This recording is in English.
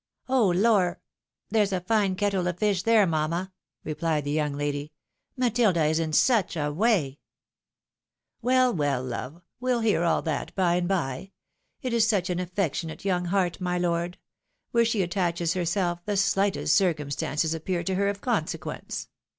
" Oh lor !— There's a fine kettle of fish there, mamma," replied the young lady. " Matilda is in such a way !"" Well, well, love ; we'U hear all that by and by. It is such an affectionate young heart, my lord ! Where she attaches herself, the slightest circumstances appear to her of consequence."